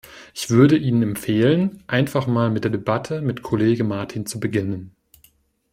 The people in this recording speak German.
Ich würde Ihnen empfehlen, einfach mal mit der Debatte mit Kollege Martin zu beginnen.